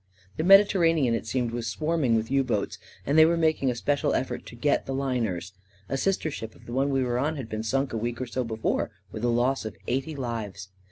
The Mediterranean, it seemed, was swarming with U boats, and they were making a special effort to get the liners. A sister ship of the one we were on had been sunk a week or so before with a loss of eighty lives.